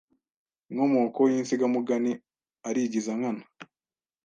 Inkomoko y’insigamugani Arigiza Nkana